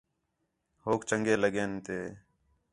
ہوک چَنڳے لڳین تے